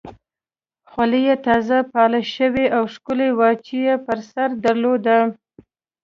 خولۍ یې تازه پالش شوې او ښکلې وه چې یې پر سر درلوده.